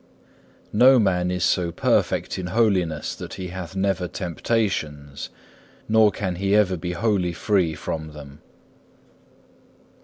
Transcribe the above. No man is so perfect in holiness that he hath never temptations, nor can we ever be wholly free from them.